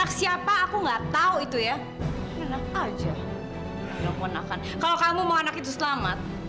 kalau kamu mau anak itu selamat